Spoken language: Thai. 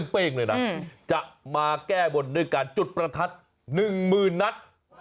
เป้งเลยนะจะมาแก้บนด้วยการจุดประทัด๑๐๐๐นัด